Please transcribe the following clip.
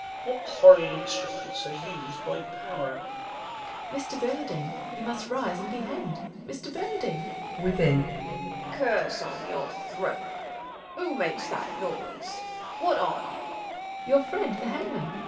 Duke. What horrid instruments are us'd by pow'r ! Fool. Mr Bernardine, you must rise and be hang'd. Mr Bernardine ! Bern, (ivithin). Curse on your throat ! who makes that noise % What are you ? Fool. Your friend, the hangman